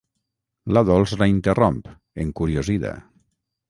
La Dols la interromp, encuriosida.